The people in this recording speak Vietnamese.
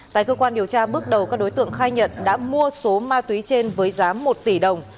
tại cơ quan điều tra bước đầu các đối tượng khai nhận đã mua số ma túy trên với giá một tỷ đồng